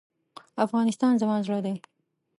افغانستان زما زړه دی.